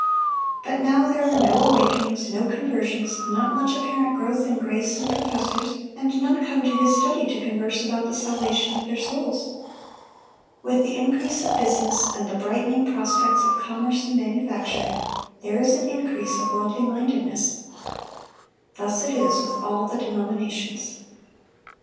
But now there are no awakenings, no conversions, not much apparent growth in grace in professors, and none come to his study to converse about the salvation of their souls. With the increase of business, and the brightening prospects of commerce and manufacture, there is an increase of worldly mindedness. _Thus it is with all the denominations.